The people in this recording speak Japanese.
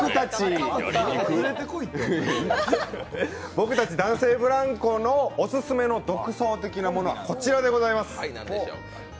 僕たち男性ブランコのオススメの独創的なものは、こちらでございます。